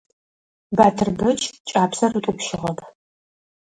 Батырбэч кӀапсэр ытӀупщыгъэп.